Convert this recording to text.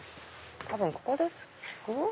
多分ここです。